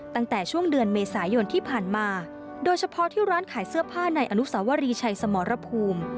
ตั้งแต่ช่วงเดือนเมษายนที่ผ่านมาโดยเฉพาะที่ร้านขายเสื้อผ้าในอนุสาวรีชัยสมรภูมิ